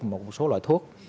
một số loại thuốc